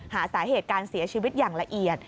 หาสาเหตุการเสียชีวิตอย่างละเอียด